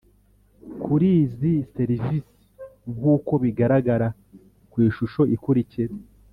Kuri izi serivisi nk uko bigaragara ku ishusho ikurikira